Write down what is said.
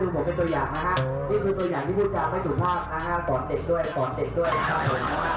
นี่คือตัวอย่างที่พูดจำไม่ถูกภาพนะฮะสอนเสร็จด้วยสอนเสร็จด้วย